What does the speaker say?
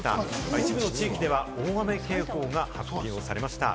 一部の地域では大雨警報が発表されました。